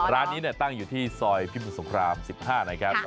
ร้านนี้ตั้งอยู่ที่ซอยพิมุทรสงคราม๑๕นะครับ